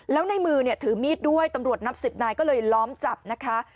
แล้วในมือเนี่ยถือมีดด้วยตำรวจนับสิบนายก็เลยล้อมจับนะคะ